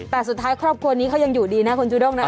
แต่สุดท้ายครอบครัวนี้เขายังอยู่ดีนะคุณจูด้งนะ